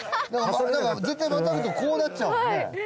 絶対またぐとこうなっちゃうもんね。